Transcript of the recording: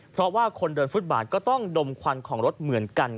เพราะว่าคนเดินฟุตบาทก็ต้องดมควันของรถเหมือนกัน